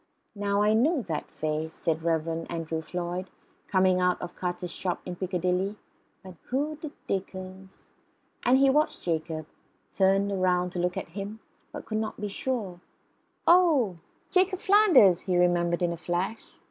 "Now I know that face " said the Reverend Andrew Floyd, coming out of Carter's shop in Piccadilly, "but who the dickens ?" and he watched Jacob, turned round to look at him, but could not be sure "Oh, Jacob Flanders!" he remembered in a flash.